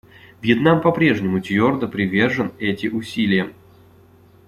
Вьетнам по-прежнему твердо привержен эти усилиям.